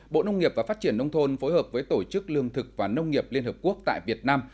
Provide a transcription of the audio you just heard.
bộ nông nghiệp và phát triển nông thôn phối hợp với tổ chức lương thực và nông nghiệp liên hợp quốc tại việt nam